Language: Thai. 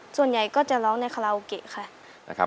ส่วนใหญ่ก็จะร้องในคาราโอเกะค่ะ